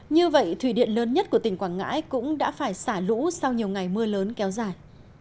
như vậy thủy điện lớn nhất của tỉnh quảng ngãi cũng đã phải xả lũ sau nhiều ngày mưa lớn kéo dài